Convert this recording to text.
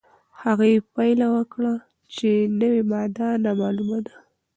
هغې پایله وکړه چې نوې ماده نامعلومه ده.